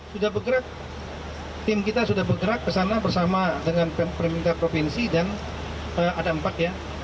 sudah bergerak tim kita sudah bergerak ke sana bersama dengan pemerintah provinsi dan ada empat ya